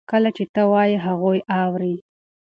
کله چې ته وایې هغوی اوري.